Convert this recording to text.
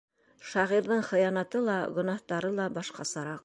Шағирҙың хыянаты ла, гонаһтары ла башҡасараҡ.